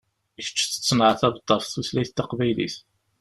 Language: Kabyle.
Kečč tettneɛtabeḍ ɣef tutlayt taqbaylit.